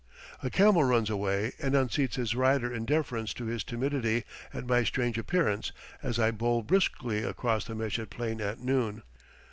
A camel runs away and unseats his rider in deference to his timidity at my strange appearance as I bowl briskly across the Meshed plain at noon.